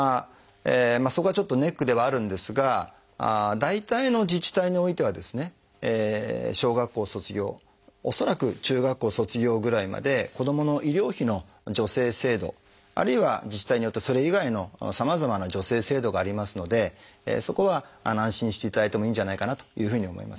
そこはちょっとネックではあるんですが大体の自治体においてはですね小学校卒業恐らく中学校卒業ぐらいまで子どもの医療費の助成制度あるいは自治体によってはそれ以外のさまざまな助成制度がありますのでそこは安心していただいてもいいんじゃないかなというふうに思います。